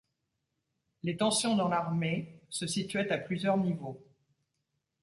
Les tensions dans l'armée se situaient à plusieurs niveaux.